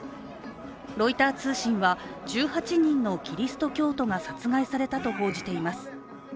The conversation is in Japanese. ロイター通信は、１８人のキリスト教徒が殺害されたと報じています。